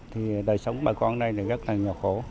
thì đời sống bà con đây là rất là nhỏ khổ